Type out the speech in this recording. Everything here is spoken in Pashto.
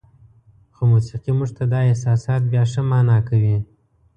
خو موسیقي موږ ته دا احساسات بیا ښه معنا کوي.